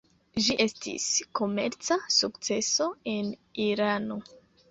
Ĝi estis komerca sukceso en Irano.